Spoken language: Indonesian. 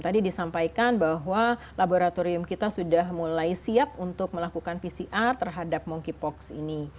tadi disampaikan bahwa laboratorium kita sudah mulai siap untuk melakukan pcr terhadap monkeypox ini